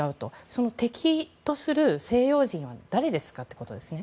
その敵とする西洋人は誰ですか？ということですよね。